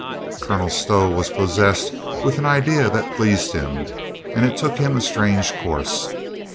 Colonel Stow was pos sessed with an idea that pleased him, and it took him a strange course.